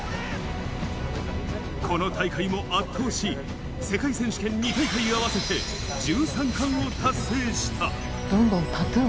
この大会も圧倒し、世界選手権２大会合わせて１３冠を達成した。